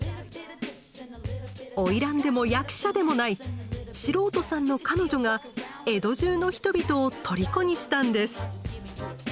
花魁でも役者でもない素人さんの彼女が江戸中の人々をとりこにしたんです！